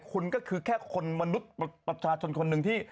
คุณก็คือแค่คนมนุษย์ประชาชนคนหนึ่งที่